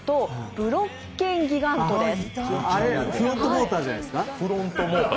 フロントモーターじゃないですか。